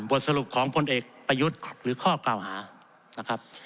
บทสรุปของพลเอกประยุทธ์หรือข้อกล่าวหานะครับ